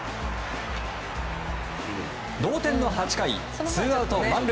同点の８回、ツーアウト満塁。